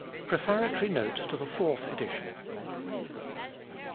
_ PREFATORY NOTE TO THE FOURTH EDITION.